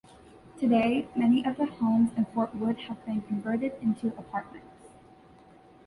Today, many of the homes in Fort Wood have been converted into apartments.